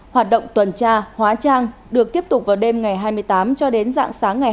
hoạt động tuần tra hóa trang được tiếp tục vào đêm ngày hai mươi tám cho đến dạng sáng ngày hai mươi tám